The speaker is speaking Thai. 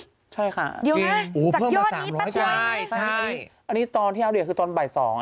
ใช่ค่ะเดี๋ยวนะสักยอดนี้แป๊บอันนี้ตอนที่เอาเดียคือตอนบ่าย๒อันนี้